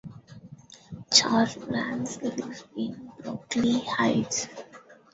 The Chalfants live in Brooklyn Heights.